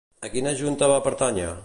A quina junta va pertànyer?